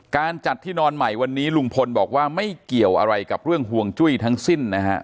การจัดที่นอนใหม่วันนี้ลุงพลบอกว่าไม่เกี่ยวอะไรกับเรื่องห่วงจุ้ยทั้งสิ้นนะฮะ